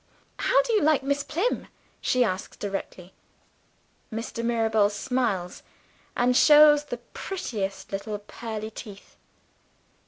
"How do you like Miss Plym?" she asks directly. Mr. Mirabel smiles, and shows the prettiest little pearly teeth.